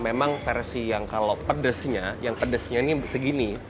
memang versi yang kalau pedesnya yang pedesnya ini segini